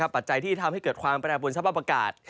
ปัจจัยที่ทำให้เกิดความแปรปวนสภาพอากาศ